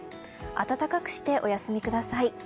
暖かくしてお休みください。